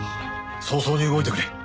早々に動いてくれ。